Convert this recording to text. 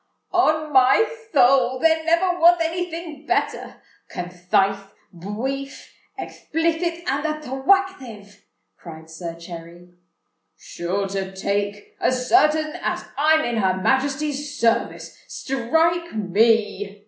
"On my thoul, there never wath any thing better—conthith, bwief, ekthplithit, and attwactive!" cried Sir Cherry. "Sure to take—as certain as I'm in Her Majesty's service—strike me!"